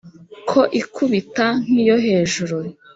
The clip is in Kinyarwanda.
ko ikubita nk’iyo hejuru